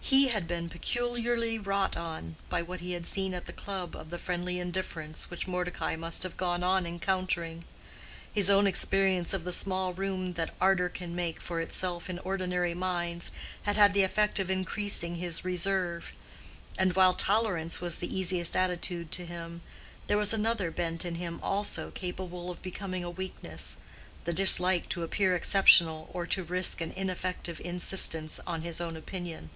He had been peculiarly wrought on by what he had seen at the club of the friendly indifference which Mordecai must have gone on encountering. His own experience of the small room that ardor can make for itself in ordinary minds had had the effect of increasing his reserve; and while tolerance was the easiest attitude to him, there was another bent in him also capable of becoming a weakness—the dislike to appear exceptional or to risk an ineffective insistence on his own opinion.